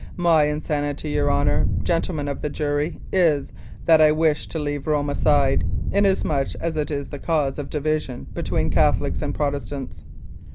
My insanity, your Honour, Gentlemen of the Jury, is, that I wish to leave Rome aside, inasmuch as it is the cause of division between Catholics and Protestants.